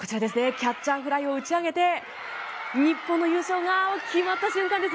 キャッチャーフライを打ち上げて日本の優勝が決まった瞬間です。